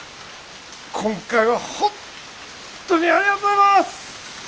今回はほんっとにありがとうございます！